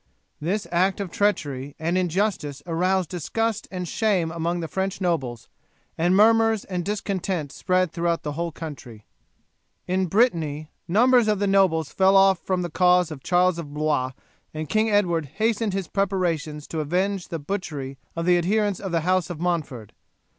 This act of treachery and injustice aroused disgust and shame among the French nobles, and murmurs and discontent spread throughout the whole country. In Brittany numbers of the nobles fell off from the cause of Charles of Blois, and King Edward hastened his preparations to avenge the butchery of the adherents of the house of Montford.